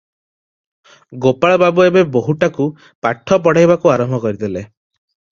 ଗୋପାଳବାବୁ ଏବେ ବୋହୂଟାକୁ ପାଠ ପଢ଼ାଇବାକୁ ଆରମ୍ଭ କରି ଦେଲେ ।